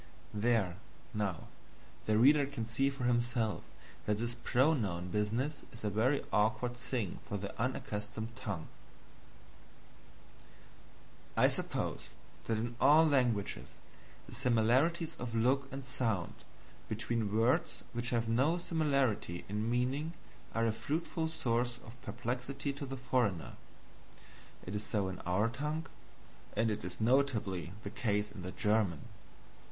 There, now, the reader can see for himself that this pronoun business is a very awkward thing for the unaccustomed tongue. I suppose that in all languages the similarities of look and sound between words which have no similarity in meaning are a fruitful source of perplexity to the foreigner. It is so in our tongue, and it is notably the case in the German.